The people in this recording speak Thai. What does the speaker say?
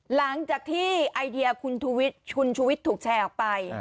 หลังจากที่ไอเดียคุณชูวิทย์ถูกแชร์ออกไป